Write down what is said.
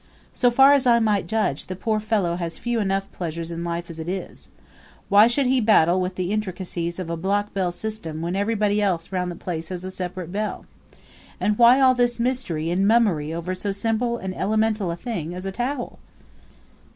So far as I might judge, the poor fellow has few enough pleasures in life as it is. Why should he battle with the intricacies of a block signal system when everybody else round the place has a separate bell? And why all this mystery and mummery over so simple and elemental a thing as a towel?